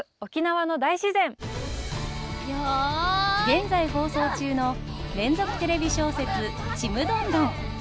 現在放送中の連続テレビ小説「ちむどんどん」。